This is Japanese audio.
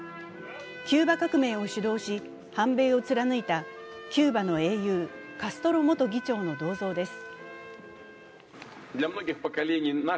キューバ革命を主導し反米を貫いたキューバの英雄、カストロ元議長の銅像です。